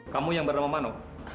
kamu yang bernama mano